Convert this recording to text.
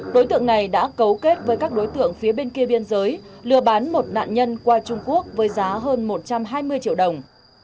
đối tượng này đã cấu kết với các đối tượng phía bên kia biên giới lừa bán một nạn nhân qua trung quốc với giá hơn một trăm hai mươi triệu đồng